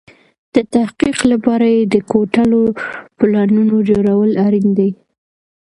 د تحقق لپاره يې د کوټلو پلانونو جوړول اړين دي.